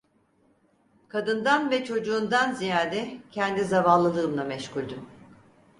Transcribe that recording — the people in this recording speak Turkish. Kadından ve çocuğundan ziyade kendi zavallılığımla meşguldüm.